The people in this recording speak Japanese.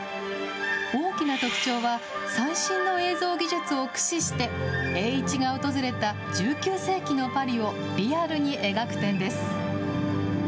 大きな特徴は、最新の映像技術を駆使して、栄一が訪れた１９世紀のパリをリアルに描く点です。